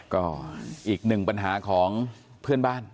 ก็อีกหนึ่งปัญหาของเพื่อนบ้าน